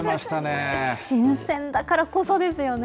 新鮮だからこそですよね。